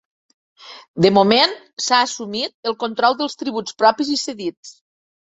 De moment, s’ha assumit el control dels tributs propis i cedits.